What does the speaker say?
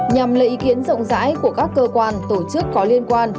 nhằm lấy ý kiến rộng rãi của các cơ quan tổ chức có liên quan